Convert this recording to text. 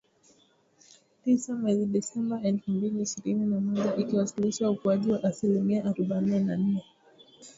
Tisa mwezi Disemba elfu mbili ishirini na moja , ikiwasilisha ukuaji wa asilimia arobaine na nne